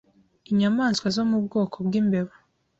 Inyamaswa zo mu bwoko bw’imbeba